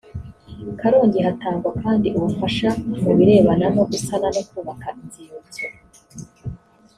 karongi hatangwa kandi ubufasha mu birebana no gusana no kubaka inzibutso